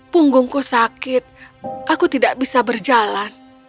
punggungku sakit aku tidak bisa berjalan